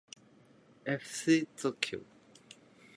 えふしー東京